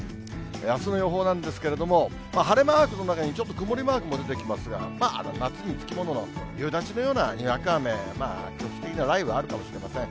あすの予報なんですけれども、晴れマークの中に、ちょっと曇りマークも出てきますが、夏につきものの夕立のようなにわか雨、局地的な雷雨があるかもしれません。